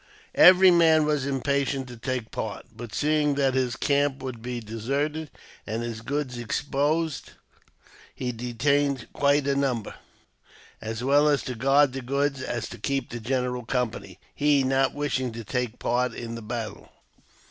Every man was impatient to take part ; but, seeing that his "Camp would be deserted and his goods exposed, he detained •quite a number, as well to guard the goods as to keep the general company, he not wishing to take part in the battle.